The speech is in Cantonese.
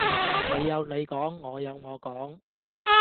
你有你講，我有我講